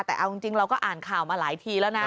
แต่เอาจริงเราก็อ่านข่าวมาหลายทีแล้วนะ